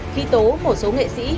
khi tố một số nghệ sĩ